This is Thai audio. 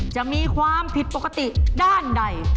จะมีความผิดปกติด้านใด